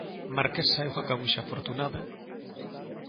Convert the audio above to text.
Marquesa é unha cabuxa afortunada.